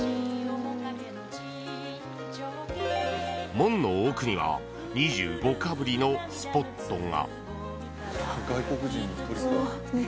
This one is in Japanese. ［門の奥には２５かぶりのスポットが］